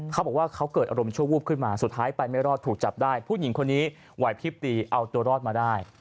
เขาบอกว่าเขาเกิดอารมณ์ชั่ววูบขึ้นมาสุดท้ายไปไม่รอดถูกจับได้ผู้หญิงคนนี้ไหวพลิบตีเอาตัวรอดมาได้